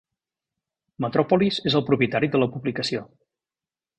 Metropolis és el propietari de la publicació.